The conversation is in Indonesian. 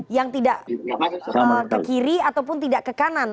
yang tidak ke kiri ataupun tidak ke kanan